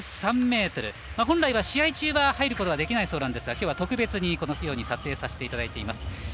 本来は試合中入ることはできないそうですがきょうは特別に撮影させていただいています。